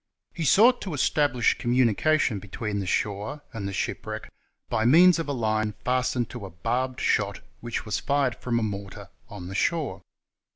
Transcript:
He sought to establish communi cation between the shore and the shipwreck by means of a line fastened to a barbed shot which was fired from a mortar on the shore.